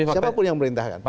siapa pun yang memerintahkan